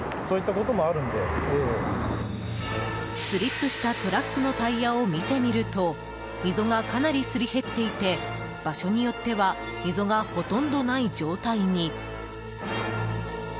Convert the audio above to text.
スリップしたトラックのタイヤを見てみると溝が、かなりすり減っていて場所によっては溝がほとんどない状態に。